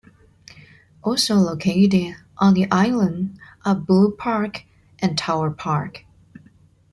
Also located on the island are Blue Park and Tower Park.